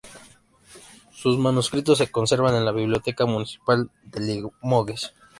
Sus manuscritos se conservan en la biblioteca municipal de Limoges.